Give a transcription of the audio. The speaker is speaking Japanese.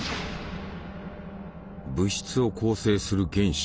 物質を構成する原子。